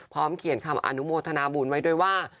พร้อมเขียนคำอนุโมทนาบุญไว้โดยว่า